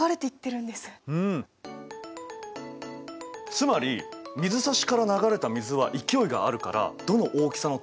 つまり水差しから流れた水は勢いがあるからどの大きさの粒も流す。